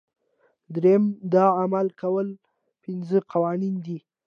دریم د عمل کولو پنځه قوانین دي.